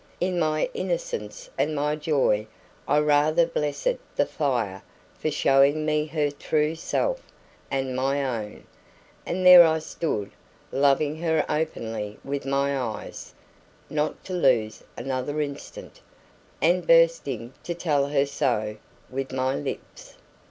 In my innocence and my joy I rather blessed the fire for showing me her true self and my own; and there I stood, loving her openly with my eyes (not to lose another instant), and bursting to tell her so with my lips.